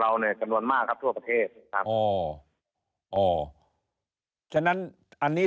เนี่ยจำนวนมากครับทั่วประเทศครับอ๋ออ๋อฉะนั้นอันนี้